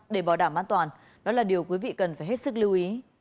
để bảo đảm an toàn đó là điều quý vị cần phải hết sức lưu ý